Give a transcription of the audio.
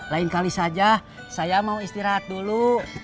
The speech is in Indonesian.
lain kali saja saya mau istirahat dulu